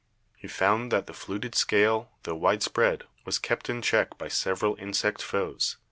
He found that the fluted scale, tho widespread, was kept in check by several insect foes.